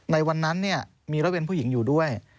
ในวันนั้นมีนักเรียนผู้หญิงอยู่ด้วย